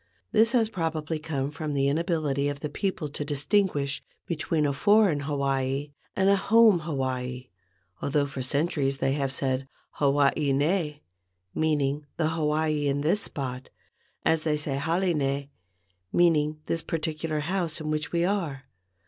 This has probably come from the inability of the people to distinguish between a foreign Hawaii and a home Hawaii, although for centuries they have said "Hawaii nei," meaning "the Hawaii in this spot," as they say "hale nei," meaning "this particular house in which we are."